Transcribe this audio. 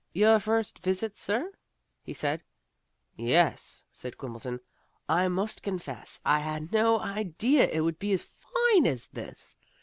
"Your first visit, sir?" he said. "Yes," said Quimbleton. "I must confess I had no idea it would be as fine as this.